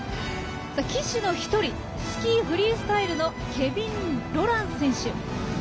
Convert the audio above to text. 旗手の１人スキー・フリースタイルのケビン・ロラン選手。